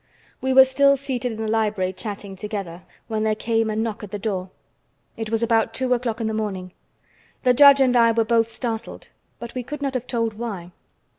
We were still seated in the library, chatting together, when there came a knock at the door. It was about two o'clock in the morning. The judge and I were both startled, but we could not have told why.